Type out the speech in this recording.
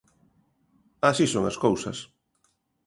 así son as cousas.